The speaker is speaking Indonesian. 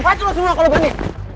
patuh lo semua kalau berani